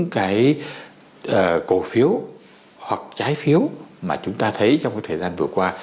cổ phiếu hoặc trái phiếu mà chúng ta thấy trong thời gian vừa qua